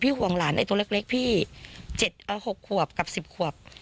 ห่วงหลานไอ้ตัวเล็กพี่๖ขวบกับ๑๐ขวบ